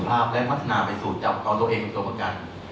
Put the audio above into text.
กับสภาพและวัฒนาไปสู่ต่างจับเขาตัวเองกับส่วนกัน